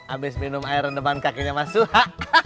abis minum air reneman kakinya mas suha